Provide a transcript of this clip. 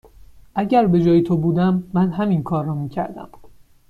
اگر به جای تو بودم، من همین کار را می کردم.